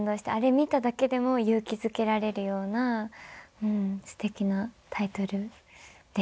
見ただけでも勇気づけられるようなすてきなタイトルでしたね。